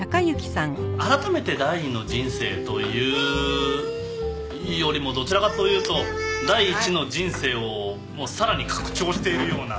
改めて第二の人生というよりもどちらかというと第一の人生をさらに拡張しているような。